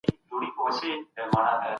زه به سبا ډوډۍ پخوم وم.